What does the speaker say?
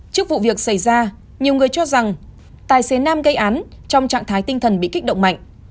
trước vụ việc xảy ra nhiều người cho rằng tài xế nam gây án trong trạng thái tinh thần bị kích động mạnh